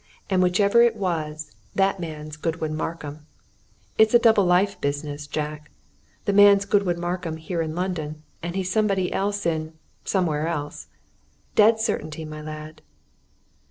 And whichever it was, that man's Godwin Markham! It's a double life business, Jack the man's Godwin Markham here in London, and he's somebody else in somewhere else. Dead certainty, my lad!"